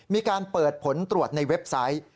มีการเปิดผลตรวจในเว็บไซต์